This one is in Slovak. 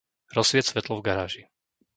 Rozsvieť svetlo v garáži.